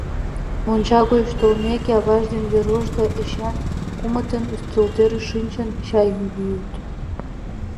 Монча гыч толмеке, аваж ден Веруш да Эчан — кумытын ӱстелтӧрыш шинчыт, чайым йӱыт...»